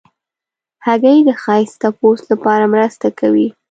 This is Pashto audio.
هګۍ د ښایسته پوست لپاره مرسته کوي.